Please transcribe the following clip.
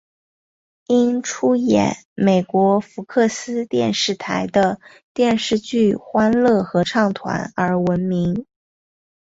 因出演美国福克斯电视台的电视剧欢乐合唱团而闻名。